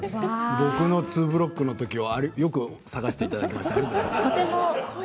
僕のツーブロックの写真をよく探してきましたね。